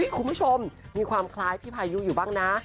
คุณผู้ชมมีความคล้ายพี่พายุอยู่บ้างนะ